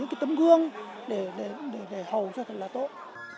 họ sẽ là những tấm gương để hầu cho thật là tốt